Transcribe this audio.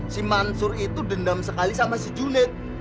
si mansur itu dendam sekali sama si junet